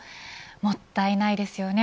もったいないですよね